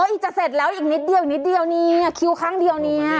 อ๋ออีกจะเสร็จแล้วอีกนิดเดียวนี่คิวครั้งเดียวนี่